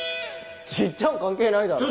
じっちゃんは関係ないだろ。